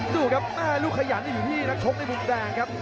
สู้ครับลูกขยันอยู่ที่นักชกในกลุ่มแดงครับ